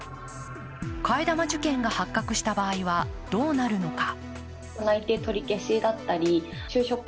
替え玉受検が発覚した場合はどうなるのか。